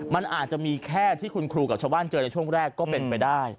มันอาจจะมีแค่ที่คุณครูกับชาวบ้านเจอในช่วงแรกก็เป็นไปได้